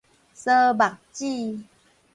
挲目子